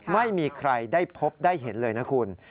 ไม่มีใครได้พบได้เห็นเลยนะคุณ